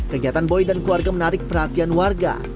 kegiatan boy dan keluarga menarik perhatian warga